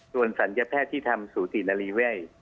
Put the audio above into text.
ส่วนศัลยแพทย์ที่ทำสูตินารีเวท